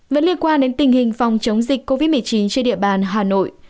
vẫn liên quan đến tình hình phòng chống dịch covid một mươi chín trên địa bàn hà nội